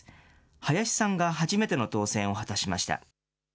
林さんが初めての当選を果たしました。